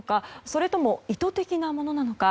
それとも意図的なものなのか。